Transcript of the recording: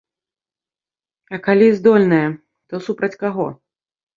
А калі здольная, то супраць каго?